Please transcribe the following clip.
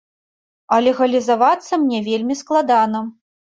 А легалізавацца мне вельмі складана.